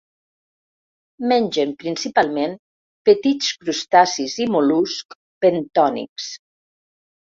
Mengen principalment petits crustacis i mol·luscs bentònics.